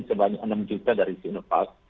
sebanyak enam juta dari sinovac